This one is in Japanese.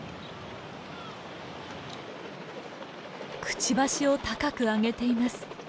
くちばしを高く上げています。